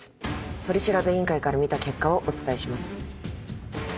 取り調べ委員会から見た結果をお伝えします。